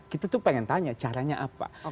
kita tuh pengen tanya caranya apa